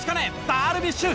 ダルビッシュ